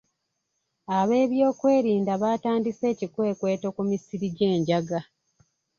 Abeebyokwerinda baatandise ekikwekweto ku misiri gy'enjaga.